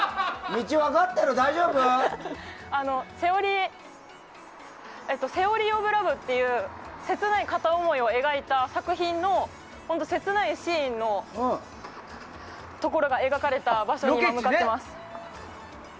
「Ｔｈｅｏｒｙｏｆｌｏｖｅ／セオリー・オブ・ラブ」という切ない片思いを描いた作品の切ないシーンのところが描かれた場所に向かっています。